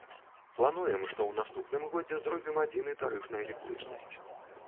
Плануем, што ў наступным годзе зробім адзіны тарыф на электрычнасць.